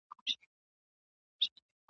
کیسه دي راوړه راته قدیمه !.